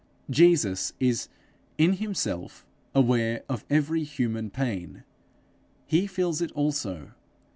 Jesus is in himself aware of every human pain. He feels it also.